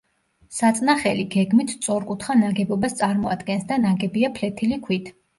საწნახელი გეგმით სწორკუთხა ნაგებობას წარმოადგენს და ნაგებია ფლეთილი ქვით.